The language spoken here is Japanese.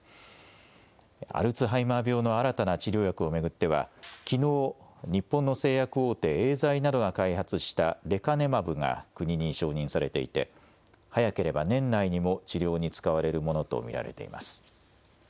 アルツハイマー病の新たな治療薬を巡ってはきのう、日本の製薬大手、エーザイなどが開発したレカネマブが国に承認されていて早ければ年内にも治療に使われるものと見られています。